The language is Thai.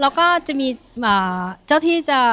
เราก็จะมีเจ้าที่จะ